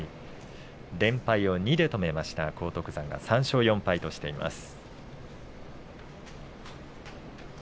連敗を２で止めた荒篤山３勝４敗としています。